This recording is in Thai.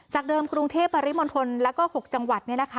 จากเดิมกรุงเทพฯบริมณฑลและ๖จังหวัด